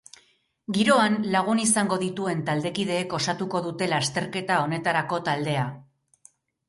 Giroan lagun izango dituen taldekideek osatuko dute lasterketa honetarako taldea.